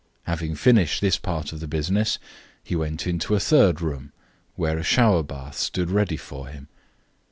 Having finished this part of the business, he went into a third room, where a shower bath stood ready for him.